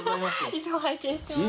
いつも拝見しています。